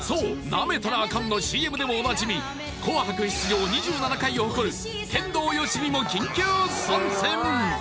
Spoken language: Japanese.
「なめたらあかん」のＣＭでもおなじみ紅白出場２７回を誇る天童よしみも緊急参戦！